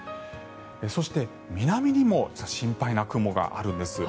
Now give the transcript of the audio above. そして、南にも心配な雲があるんです。